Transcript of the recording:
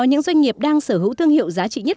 những doanh nghiệp đang sở hữu thương hiệu giá trị nhất